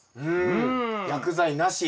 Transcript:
うん薬剤なし。